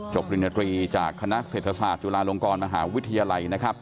ปริญญาตรีจากคณะเศรษฐศาสตร์จุฬาลงกรมหาวิทยาลัยนะครับ